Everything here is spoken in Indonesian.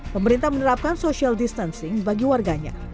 pemerintah menerapkan social distancing bagi warganya